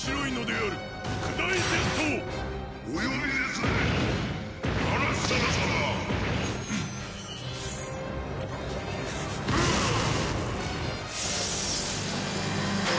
あっ！